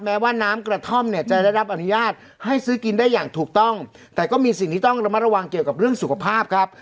แม้ว่าน้ำกระท่อมเนี่ยจะได้รับอนุญาตให้ซื้อกินได้อย่างถูกต้องแต่ก็มีสิ่งที่ต้องระมัดระวังเกี่ยวกับเรื่องสุขภาพครับ